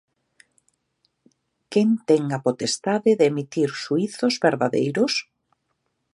Quen ten a potestade de emitir xuízos verdadeiros?